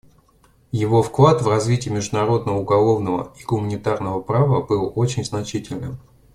Его вклад в развитие международного уголовного и гуманитарного права был очень значительным.